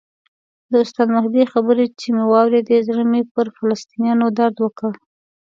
د استاد مهدي خبرې چې مې واورېدې زړه مې پر فلسطینیانو درد وکړ.